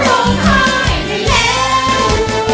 ร้องไห้ได้แล้ว